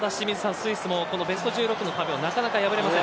スイスもベスト１６の壁をなかなか破れません。